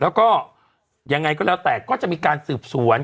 แล้วก็ยังไงก็แล้วแต่ก็จะมีการสืบสวน